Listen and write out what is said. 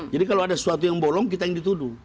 jadi kalau ada sesuatu yang bolong kita yang dituduh